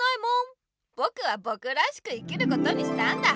ぼくはぼくらしく生きることにしたんだ。